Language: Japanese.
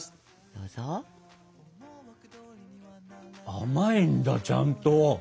甘いんだちゃんと。